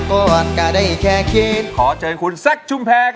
ร้องได้ให้ล้าน